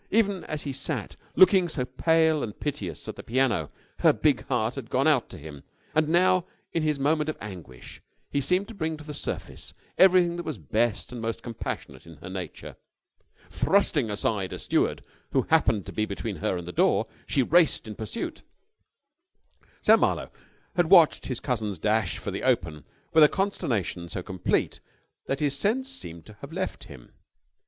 Even as he sat, looking so pale and piteous, at the piano, her big heart had gone out to him, and now, in his moment of anguish, he seemed to bring to the surface everything that was best and most compassionate in her nature. Thrusting aside a steward who happened to be between her and the door, she raced in pursuit. Sam Marlowe had watched his cousin's dash for the open with a consternation so complete that his sense seemed to have left him.